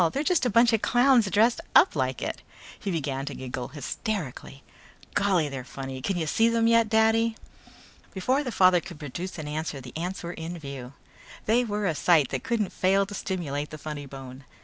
They're just a bunch of clowns dressed up like it." He began to giggle hysterically. "Golly, they're funny. Can you see them yet, Daddy?" Before the father could produce an answer the ants were in view. They were a sight that couldn't fail to stimulate the funny bone.